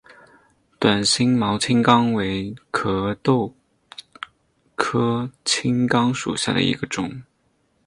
短星毛青冈为壳斗科青冈属下的一个种。